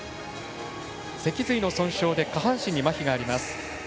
脊髄の損傷で下半身にまひがあります。